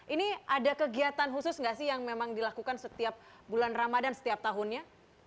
ini ada kegiatan khusus nggak sih yang memang dilakukan setiap bulan ramadan setiap tahunnya